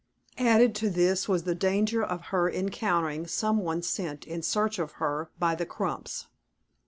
Added to this was the danger of her encountering some one sent in search of her by the Crumps.